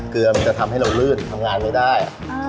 เรือมันจะทำให้เราลื่นทำงานไม่ได้